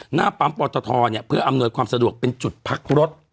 หน้าปั๊มปอตทเพื่ออำนวยความสะดวกเป็นจุดพักรถ